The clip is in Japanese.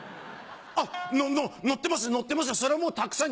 「あっ載ってます載ってますよそれはもうたくさん」。